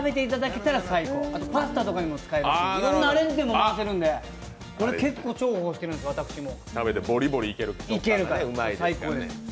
あとパスタとかにも使える、いろいろなアレンジもきくのでこれ結構、重宝しているんです、私も。